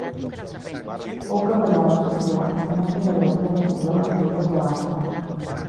Fou capellà de Fortià i mestre de llatí a Castelló d’Empúries i a Bàscara.